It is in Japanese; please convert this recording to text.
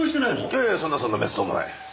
いやいやそんなそんなめっそうもない。